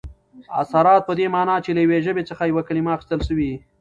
اثرات په دې مانا، چي له یوې ژبي څخه یوه کلیمه اخستل سوې يي.